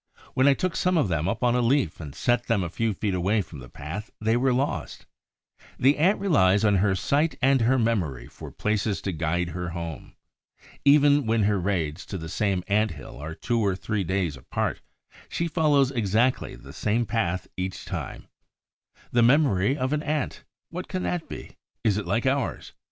When I took some of them up on a leaf and set them a few feet away from the path, they were lost. The Ant relies on her sight and her memory for places to guide her home. Even when her raids to the same ant hill are two or three days apart, she follows exactly the same path each time. The memory of an Ant! What can that be? Is it like ours?